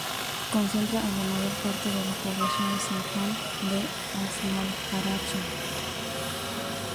Concentra a la mayor parte de la población de San Juan de Aznalfarache.